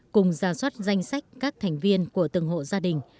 cùng giả soát danh sách các thành viên của từng hộ gia đình